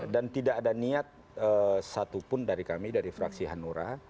dan tidak ada niat satupun dari kami dari fraksi hanura